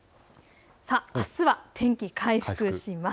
あすは天気回復します。